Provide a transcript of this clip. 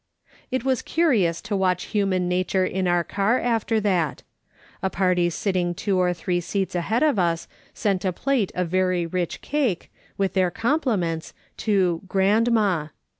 It was curious to watch human nature in our car after that. A party sitting two or three seats ahead of us sent a plate of very rich cake, with their com pliments, to " grandma."